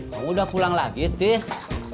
ya udah pulang lagi tis